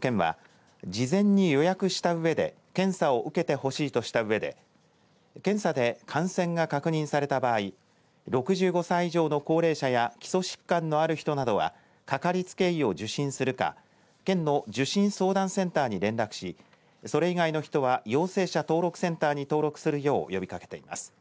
県は事前に予約したうえで検査を受けてほしいとしたうえで検査で感染が確認された場合６５歳以上の高齢者や基礎疾患のある人などはかかりつけ医を受診するか県の受診相談センターに連絡しそれ以外の人は陽性者登録センターに登録するよう呼びかけています。